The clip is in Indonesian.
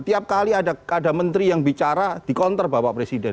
tiap kali ada menteri yang bicara dikonter bapak presiden